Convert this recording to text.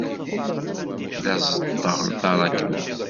La ẓeṭṭeɣ taṛakna.